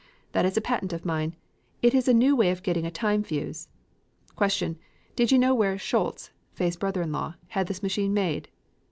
That is a patent of mine. It is a new way of getting a time fuse. ... Q. Did you know where Scholz (Fay's brother in law) had this machine made?